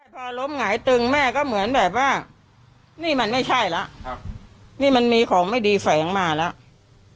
พอล้มหงายตึงแม่ก็เหมือนแบบว่านี่มันไม่ใช่แล้วนี่มันมีของไม่ดีแฝงมาแล้ว